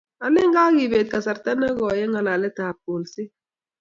Alen kakebet kasarta ne koi eng' ngalalet ab kolset